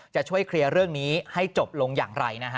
จะช่วยเคลียร์เรื่องนี้ให้จบลงอย่างไรนะฮะ